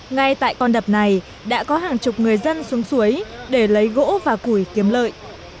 ngay tại con đập này đã có hàng chục người dân xuống suối để lấy gỗ và củi kiếm lợi